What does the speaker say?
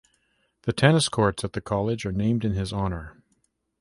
The tennis courts at the college are named in his honor.